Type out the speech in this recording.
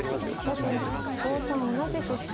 後手５三同じく飛車。